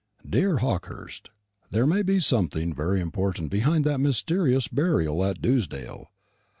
"DEAR HAWKEHURST, There may be something very important behind that mysterious burial at Dewsdale.